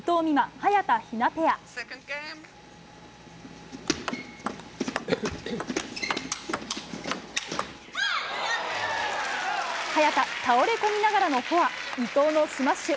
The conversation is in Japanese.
早田、倒れ込みながらのフォア伊藤のスマッシュ。